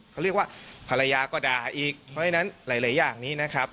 เขาเรียกว่าภรรยาก็ด่าอีกเพราะฉะนั้นหลายอย่างนี้นะครับ